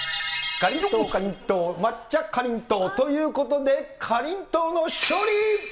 かりんとう、かりんとう、抹茶、かりんとうということで、かりんとうの勝利。